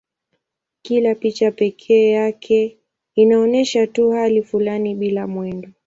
Kila picha pekee yake inaonyesha tu hali fulani bila mwendo.